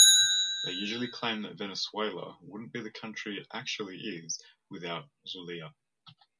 They usually claim that Venezuela wouldn't be the country it actually is without Zulia.